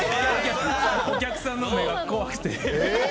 お客さんの目が怖くて。